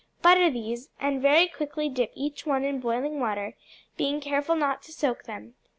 Butter these, and very quickly dip each one in boiling water, being careful not to soak them.